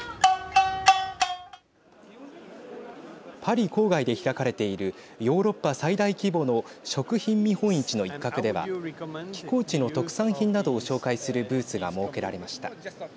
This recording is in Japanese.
パリ郊外で開かれているヨーロッパ最大規模の食品見本市の一角では寄港地の特産品などを紹介するブースが設けられました。